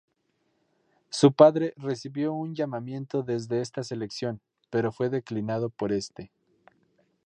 Su padre recibió un llamamiento desde esta selección, pero fue declinado por este.